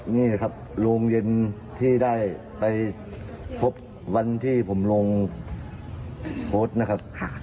นี่ครับโรงเย็นที่ได้ไปพบวันที่ผมลงโพสต์นะครับ